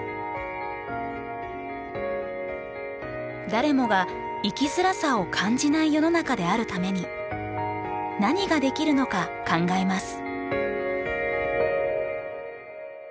誰もが生きづらさを感じない世の中であるために何ができるのか考えます。